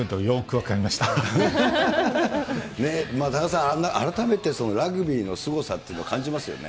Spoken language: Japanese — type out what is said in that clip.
ねぇ、田中さん、改めてラグビーのすごさっていうの、感じますよね。